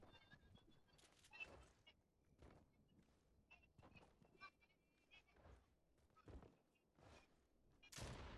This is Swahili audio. maneno kutoka lugha tofauti sana kikitumia maneno